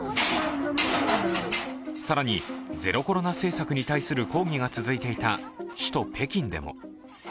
更に、ゼロコロナ政策に対する抗議が続いていた首都・北京でも。